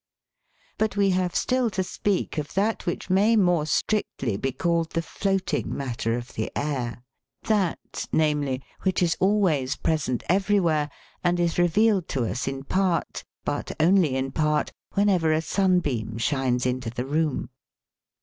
But we have still to speak of that which may more strictly be called the floating matter of the air, that, namely, 1 6 THE WORLD'S LUMBER ROOM. which is always present everywhere, and is revealed to us in part, but only in part, whenever a sunbeam shines into the room.